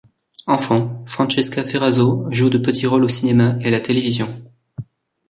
Enfant, Francesca Ferrazzo joue de petits rôles au cinéma et à la télévision.